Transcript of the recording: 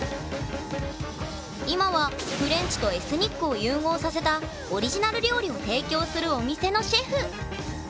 今はフレンチとエスニックを融合させたオリジナル料理を提供するお店のシェフ。